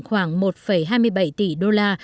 khoảng một hai mươi bảy tỷ đô la